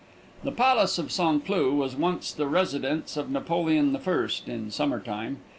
The Palace of St. Cloud was once the residence of Napoleon I in summer time.